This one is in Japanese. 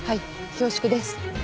恐縮です。